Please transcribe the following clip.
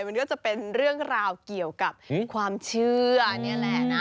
มันก็จะเป็นเรื่องราวเกี่ยวกับความเชื่อ